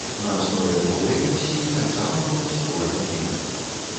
На аснове другой версіі таксама быў створаны фільм.